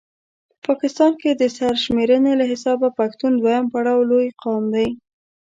په پاکستان کې د سر شميرني له حسابه پښتون دویم پړاو لوي قام دی